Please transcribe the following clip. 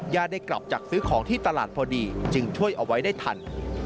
ได้กลับจากซื้อของที่ตลาดพอดีจึงช่วยเอาไว้ได้ทัน